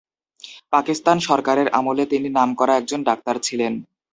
পাকিস্তান সরকারের আমলে তিনি নাম করা একজন ডাক্তার ছিলেন।